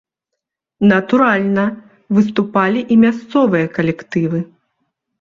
Натуральна, выступалі і мясцовыя калектывы.